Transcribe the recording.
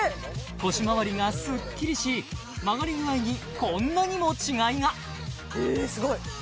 腰周りがすっきりし曲がり具合にこんなにも違いがえすごい